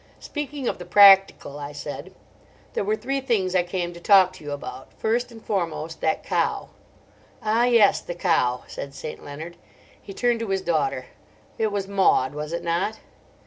"Speaking of the practical," I said, "there were three things I came to talk to you about. First and foremost, that cow." "Ah, yes, the cow," said St. Leonard. He turned to his daughter. "It was Maud, was it not?"